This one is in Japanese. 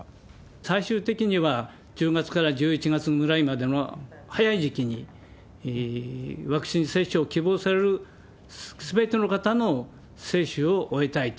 最終的には、１０月から１１月ぐらいまでの早い時期に、ワクチン接種を希望されるすべての方の接種を終えたいと。